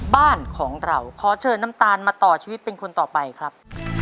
บ้านของเราขอเชิญน้ำตาลมาต่อชีวิตเป็นคนต่อไปครับ